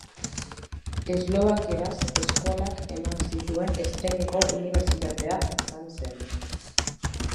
Eslovakieraz eskolak eman zituen estreineko unibertsitatea izan zen.